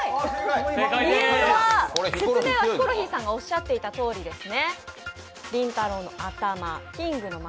理由はヒコロヒーさんがおっしゃっていたとおりですね。